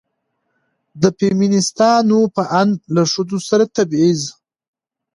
د فيمينستانو په اند له ښځو سره تبعيض